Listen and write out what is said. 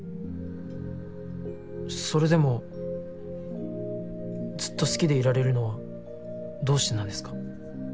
それでもずっと好きでいられるのはどうしてなんですか？